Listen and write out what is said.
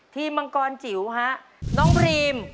มังกรจิ๋วฮะน้องพรีม